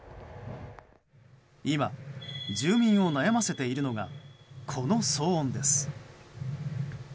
今、住民を悩ませているのがこの騒音です。